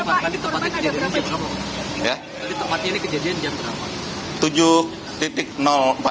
kali tempatnya kejadian ini berapa pak